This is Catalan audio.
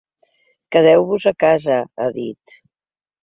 Quedeu-vos a casa, ha dit.